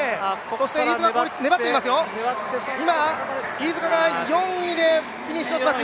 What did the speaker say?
飯塚が４位でフィニッシュします